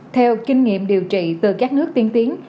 theo kinh nghiệm điều trị từ các nước tiên tiến